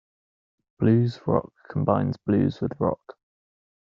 Blues rock combines blues with rock.